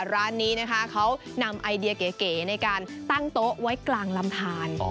ร้านนี้นะคะเขานำไอเดียเก๋ในการตั้งโต๊ะไว้กลางลำทาน